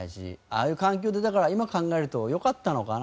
ああいう環境でだから今考えるとよかったのかな？